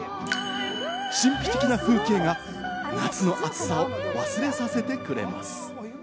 神秘的な風景が夏の暑さを忘れさせてくれます。